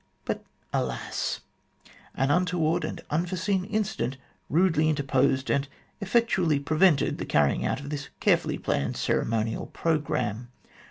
But, alas ! an untoward and unforeseen incident rudely interposed, and effectually prevented the carrying out of this carefully planned ceremonial programme.